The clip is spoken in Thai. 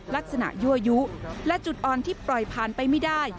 ลักษณะยั่วยุและจุดอ่อนที่ปล่อยผ่านไปไม่ได้